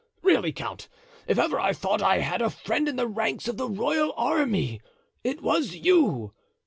Really, count, if ever I thought that I had a friend in the ranks of the royal army, it was you.